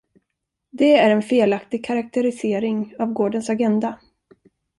Det är en felaktig karaktärisering av gårdens agenda.